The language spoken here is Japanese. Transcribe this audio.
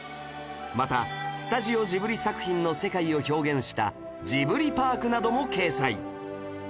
またスタジオジブリ作品の世界を表現したジブリパークなども掲載